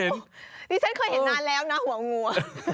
นี่ฉันเคยเห็นนานแล้วนะหัวงัว